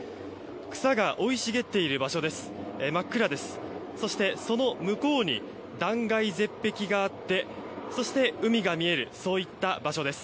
草が生い茂っている場所です。